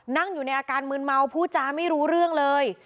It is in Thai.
นั่งอยู่ในอาการมืนเมาพูดจาไม่รู้เรื่องเลย